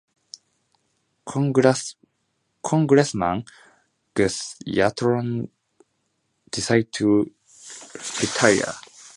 Congressman Gus Yatron decided to retire.